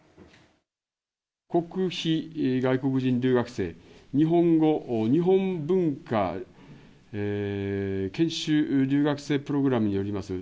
国費外国人留学生、日本語・日本文化研修留学生プログラムによります